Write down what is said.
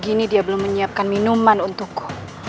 kini dia belum menyiapkan minuman untukku